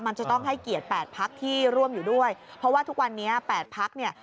มันจะต้องให้เกียรติแปดพักที่ร่วมอยู่ด้วยเพราะว่าทุกวันนี้๘พักเนี่ย